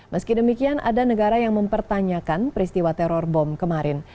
meski demikian ada negara yang mempertanyakan peristiwa teror bom kemarin